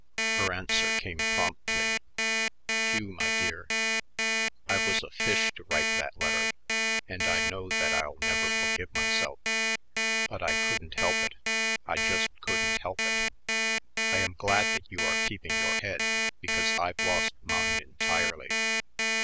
Her answer came promptly: Hugh, my dear I was a fish to write that letter and I know that I'll never forgive myself. But I couldn't help it I just couldn't help it. I am glad that you are keeping your head because I've lost mine entirely.